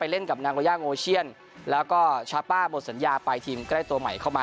เช่นกับนางโกย่างโอเชียนแล้วก็ชาป้าบทสัญญาปลายทีมก็ได้ตัวใหม่เข้ามา